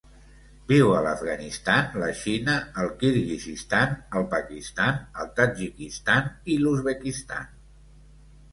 Viu a l'Afganistan, la Xina, el Kirguizistan, el Pakistan, el Tadjikistan i l'Uzbekistan.